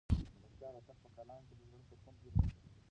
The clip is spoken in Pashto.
د ملکیار هوتک په کلام کې د زړه د سکون هیله شته.